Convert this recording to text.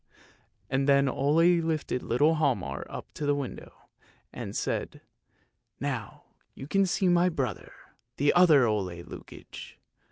" And then Ole lifted little Hialmar up to the window, and said, " Now you can see my brother, the other Ole Lukoie!